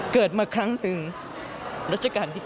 เกิดมาครั้งหนึ่งรัชกาลที่๙